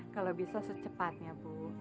kalau bisa secepatnya bu